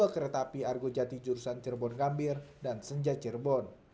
dua kereta api argojati jurusan cirebon gambir dan senja cirebon